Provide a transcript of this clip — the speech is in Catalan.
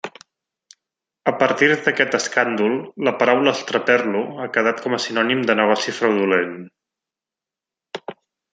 A partir d'aquest escàndol, la paraula estraperlo ha quedat com a sinònim de negoci fraudulent.